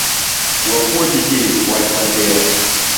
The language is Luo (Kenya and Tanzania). Wapuonj ji wach masira